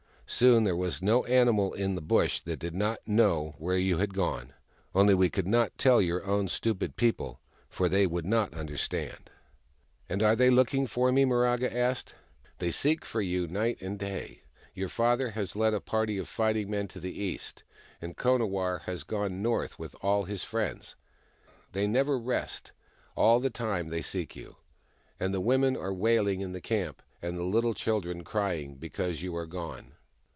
Soon there was no animal in all the Bush that did not know where you had gone. Only we could not tell your own stupid people, for they w^ould not understand." S.A.B. K 146 THE MAIDEN WHO FOUND THE MOON " And are they looking for me ?" Miraga asked. " They seek for you night and day. Your father has led a party of fighting men to the east, and Konawarr has gone north with all his friends. They never rest — all the time they seek you. And the women are wailing in the camp, and the little children crying, because you are gone."